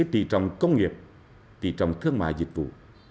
tỉ trọng công nghiệp tỉ trọng thương mại dịch vụ